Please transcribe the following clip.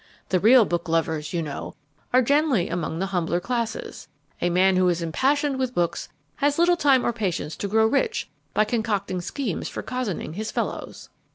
The real book lovers, you know, are generally among the humbler classes. A man who is impassioned with books has little time or patience to grow rich by concocting schemes for cozening his fellows."